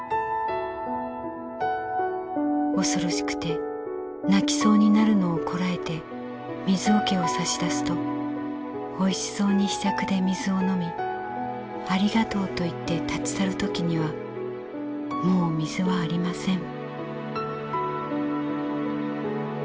「恐ろしくて泣きそうになるのをこらえて水桶を差し出すとおいしそうにひしゃくで水を飲みありがとうと言って立ち去るときにはもう水はありません」。